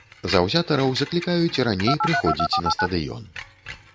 Заўзятараў заклікаюць раней прыходзіць на стадыён.